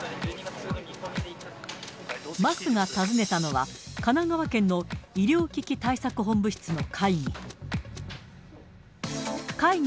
桝が訪ねたのは、神奈川県の医療危機対策本部室の会議。